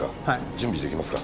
準備出来ますか？